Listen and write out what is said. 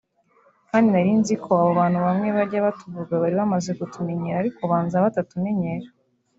kandi nari nziko abo bantu bamwe bajya batuvuga bari bamaze kutumenyera ariko ubanza batatumenyera